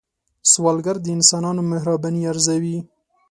سوالګر د انسانانو مهرباني ارزوي